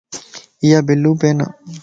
ايا بلو پين ائي.